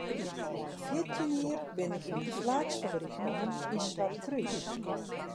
Mei fjirtjin jier bin ik yn in flaaksfabryk kommen yn Swartkrús.